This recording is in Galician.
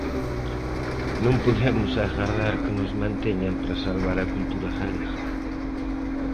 Non podemos agardar que nos manteñan para salvar a cultura galega.